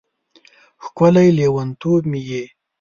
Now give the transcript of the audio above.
ښکلی لیونتوب مې یې